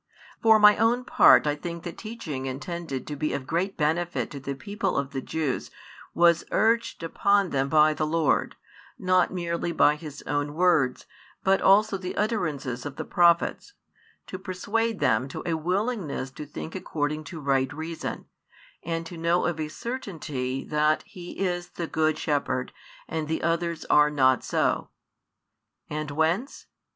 For my own part I think that teaching intended to be of great benefit to the people of the Jews was urged upon them by the Lord, not merely by His own words, but also the utterances of the Prophets, to persuade them to a willingness to think according to right reason, and to know of a certainty that He is the Good Shepherd and the others are not so. And whence?